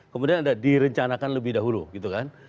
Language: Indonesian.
kemudian ada direncanakan lebih dahulu gitu kan